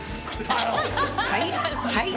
はい？